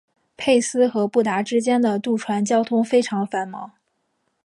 佩斯与布达之间的渡船交通非常繁忙。